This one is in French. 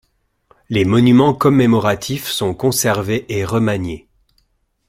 Les monuments commémoratifs sont conservés et remaniés.